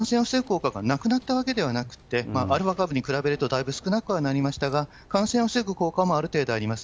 そしてこれ、感染を防ぐ効果がなくなったわけではなくて、アルファ株に比べるとだいぶ少なくはなりましたが、感染を防ぐ効果もある程度あります。